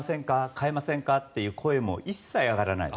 代えませんか？という声も一切上がらない。